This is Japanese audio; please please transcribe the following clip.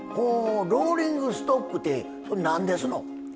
ローリングストックってなんですの？